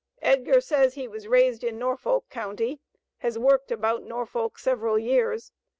Edgar says he was raised in Norfolk county, has worked about Norfolk several years.